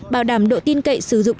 bảo đảm độ tin cậy sử dụng